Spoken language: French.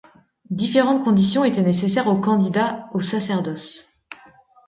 Différentes conditions étaient nécessaires au candidat au sacerdoce.